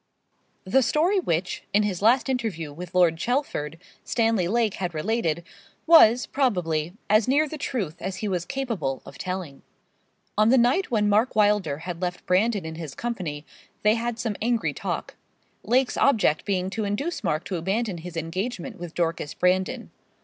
The story which, in his last interview with Lord Chelford, Stanley Lake had related, was, probably, as near the truth as he was capable of telling. On the night when Mark Wylder had left Brandon in his company they had some angry talk; Lake's object being to induce Mark to abandon his engagement with Dorcas Brandon.